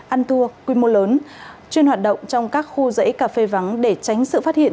ăn tour quy mô lớn chuyên hoạt động trong các khu dãy cà phê vắng để tránh sự phát hiện